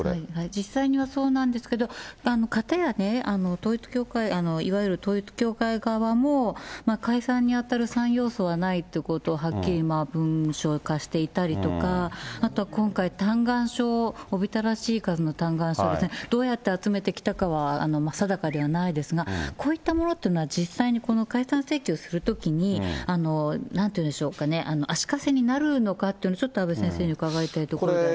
実際にはそうなんですけど、かたや統一教会、いわゆる統一教会側も、解散に当たる３要素はないということをはっきり文書化していたりとか、あとは今回、嘆願書、おびただしい数の嘆願書ですね、どうやって集めてきたかは定かではないですが、こういったものっていうのは、実際にこの解散請求するときに、なんて言うんでしょうかね、足かせになるのかっていうのを、ちょっと阿部先生に伺いたいところなんですけど。